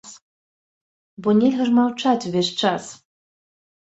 Бо нельга ж маўчаць увесь час.